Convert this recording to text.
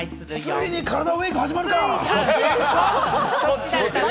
ついにカラダＷＥＥＫ始まるか！